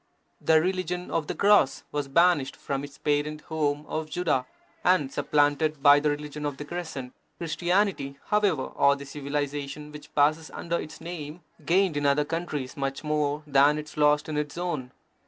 The religion of the Cross was banished from its parent home of Judaea and supplanted by the religion of the Crescent. Christianity, however, or the civilization which passes under its name, gained in other countries much more than it lost in its own.